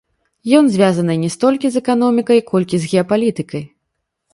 Ён звязаны не столькі з эканомікай, колькі з геапалітыкай.